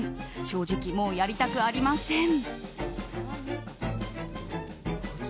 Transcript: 正直、もうやりたくありません。